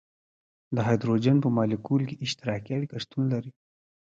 د هایدروجن په مالیکول کې اشتراکي اړیکه شتون لري.